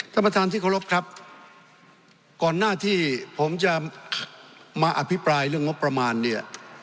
ท่านประธานที่เคารพครับก่อนหน้าที่ผมจะมาอภิปรายเรื่องงบประมาณเนี่ย